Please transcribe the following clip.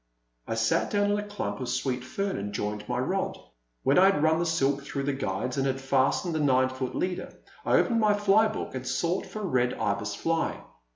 I sat down in a clump of sweet fern and joined my rod. When I had run the silk through the guides and had fastened the nine foot leader, I opened my fly book and sought for a Red Ibis fly.